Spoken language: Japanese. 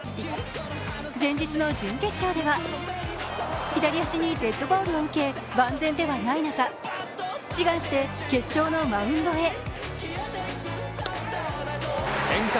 前日の準決勝では左足にデッドボールを受け万全ではない中志願して決勝のマウンドへ。